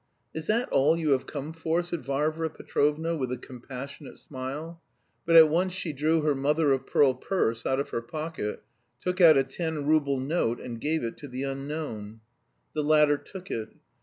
"Is that all you have come for?" said Varvara Petrovna, with a compassionate smile; but at once she drew her mother of pearl purse out of her pocket, took out a ten rouble note and gave it to the unknown. The latter took it.